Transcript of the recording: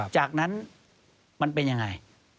จากนั้นมันเป็นยังไง